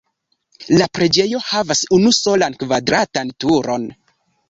La preĝejo havas unusolan kvadratan turon.